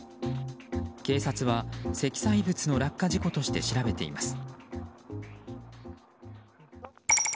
警察は積載物の落下事故として調べています。